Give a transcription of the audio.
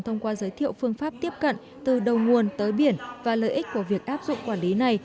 thông qua giới thiệu phương pháp tiếp cận từ đầu nguồn tới biển và lợi ích của việc áp dụng quản lý này